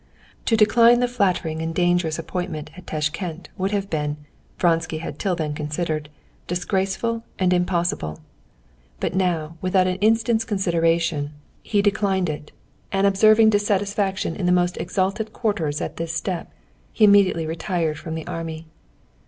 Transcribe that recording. To decline the flattering and dangerous appointment at Tashkend would have been, Vronsky had till then considered, disgraceful and impossible. But now, without an instant's consideration, he declined it, and observing dissatisfaction in the most exalted quarters at this step, he immediately retired from the army.